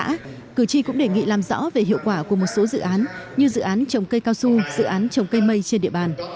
tại buổi tiếp xúc cử tri cũng đề nghị làm rõ về hiệu quả của một số dự án như dự án trồng cây cao su dự án trồng cây mây trên địa bàn